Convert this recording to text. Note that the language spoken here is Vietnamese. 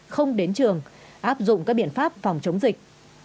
không đến trường áp dụng các biện pháp phòng chống dịch